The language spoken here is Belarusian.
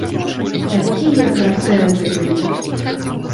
Такія працэнты былі б!